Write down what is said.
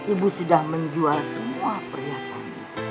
ibu sudah menjual semua perhiasan